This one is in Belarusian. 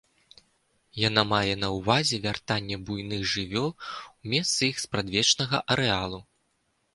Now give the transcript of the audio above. Яна мае на ўвазе вяртанне буйных жывёл у месцы іх спрадвечнага арэалу.